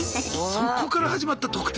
そこから始まった「特定」？